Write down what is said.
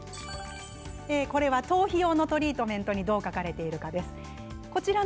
これは頭皮用のトリートメントに書かれているものです。